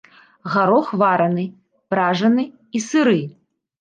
Гарох вараны, пражаны і сыры.